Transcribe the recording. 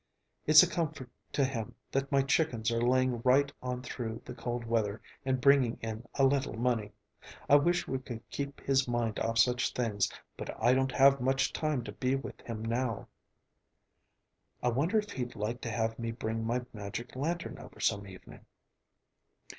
It's a comfort to him that my chickens are laying right on through the cold weather and bringing in a little money. I wish we could keep his mind off such things, but I don't have much time to be with him now." "I wonder if he'd like to have me bring my magic lantern over some evening?"